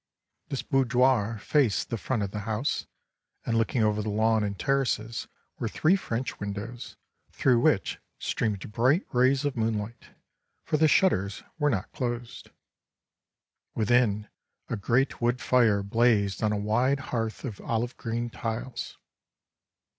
This boudoir faced the front of the house, and looking over the lawn and terraces were three French windows, through which streamed bright rays of moonlight, for the shutters were not closed. Within, a great wood fire blazed on a wide hearth of olive green tiles.